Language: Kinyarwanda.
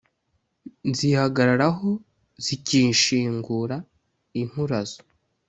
Nzihagararaho zikishingura inkurazo.